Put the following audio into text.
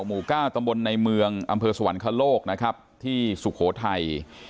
หมู่๙ตำบลในเมืองอำเภอสวรรคโลกนะครับที่สุโขทัย